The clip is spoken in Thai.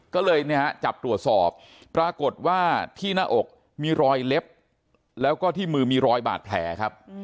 ก็เลยจับตรวจสอบปรากฏว่าที่หน้าอกมีรอยเล็บแล้วก็ที่มือมีรอยบาดแผลครับ